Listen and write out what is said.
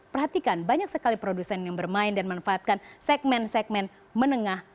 perhatikan banyak sekali produsen yang bermain dan memanfaatkan segmen segmen menengah